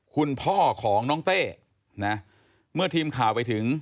คุณพ่อของน้องเต้นะเมื่อทีมข่าวไปถึง